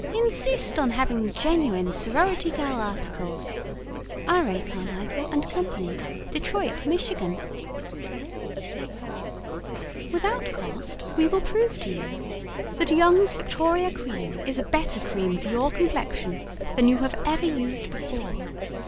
Insist on having the genuine "Sorority Girl" articles. R. A. CARMICHAEL & CO., Detroit, Michigan Without Cost, We will prove to you That Young's Victoria Cream is a better cream for your complexion than you have ever used before.